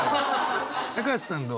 橋さんどう？